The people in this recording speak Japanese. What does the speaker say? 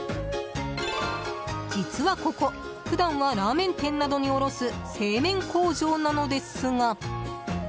実はここ、普段はラーメン店などに卸す製麺工場なのですが。